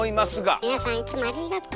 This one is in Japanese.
皆さんいつもありがとう！